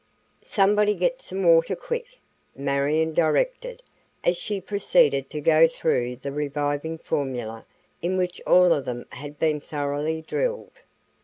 "Somebody get some water quick," Marion directed, as she proceeded to go through the reviving formula in which all of them had been thoroughly drilled.